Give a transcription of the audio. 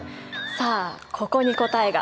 さあここに答えが。